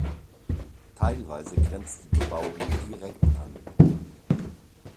Teilweise grenzt die Bebauung direkt an.